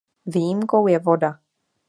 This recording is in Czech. Výjimkou je voda.